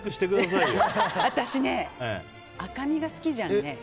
私ね、赤みが好きじゃんね。